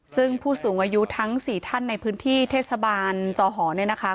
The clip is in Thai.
ซึ่งผู้สูงอายุทั้ง๔ท่านในพื้นที่เทศบาลจอหอเนี่ยนะคะ